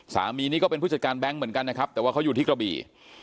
สามีนี้ก็เป็นผู้จัดการแบงค์เหมือนกันนะครับแต่ว่าเขาอยู่ที่กระบี่